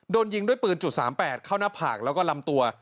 โดนยิงด้วยปืน๓๘เข้าหน้าผากแล้วก็ลำตัว